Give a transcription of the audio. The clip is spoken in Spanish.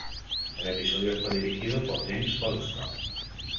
El episodio fue dirigido por James Goldstone.